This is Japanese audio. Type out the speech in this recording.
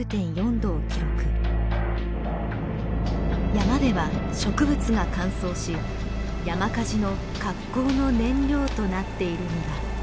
山では植物が乾燥し山火事の格好の燃料となっているのだ。